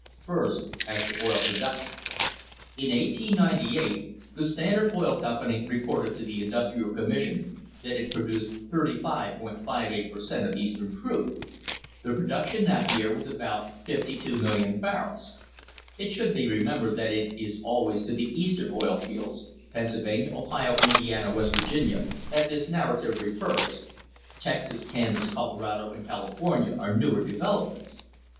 First as to oil production. In 1898 the Standard Oil Company reported to the Industrial Commission that it produced 35.58 per cent, of Eastern crude the production that year was about 52,000,000 barrels.* (It should be remembered that it is always to the Eastern oil fields Pennsylvania, Ohio, Indiana, West Virginia that this narrative refers. Texas, Kansas, Colorado and California are newer developments.